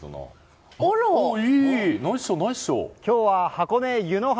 今日は箱根湯の花